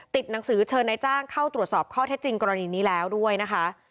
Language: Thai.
หนังสือเชิญนายจ้างเข้าตรวจสอบข้อเท็จจริงกรณีนี้แล้วด้วยนะคะ